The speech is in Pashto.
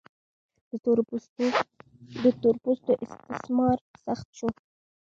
د تور پوستو استثمار سخت شو.